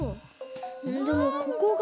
でもここが。